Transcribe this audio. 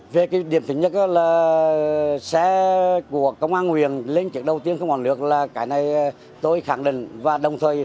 về cái điểm thứ nhất là xe của công an huyền lên chiếc đầu tiên không còn lượt là cái này tôi khẳng định